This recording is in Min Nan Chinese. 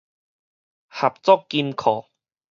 合作金庫